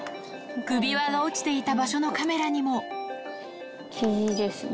首輪が落ちていた場所のカメキジですね。